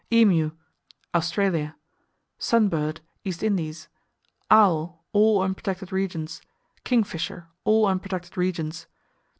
Emu Australia. Sun Bird East Indies. Owl All unprotected regions. Kingfisher All unprotected regions.